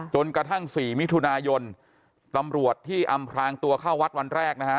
จนกระทั่ง๔มิถุนายนตำรวจที่อำพลางตัวเข้าวัดวันแรกนะฮะ